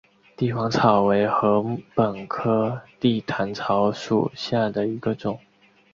帝皇草为禾本科地毯草属下的一个种。